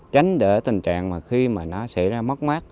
tránh để tình trạng mà khi mà nó xảy ra mất mát